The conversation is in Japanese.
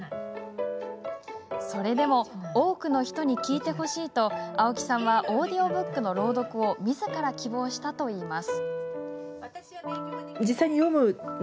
それでも多くの人に聞いてほしいと青木さんはオーディオブックの朗読をみずから希望したといいます。